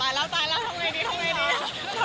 แล้วตายแล้วทำไงดีทำไงดี